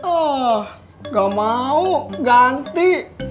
ah gak mau ganti